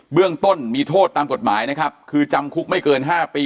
เรื่องต้นมีโทษตามกฎหมายนะครับคือจำคุกไม่เกิน๕ปี